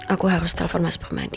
aku harus telpon mas bamadi